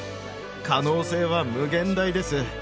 可能性は無限大です。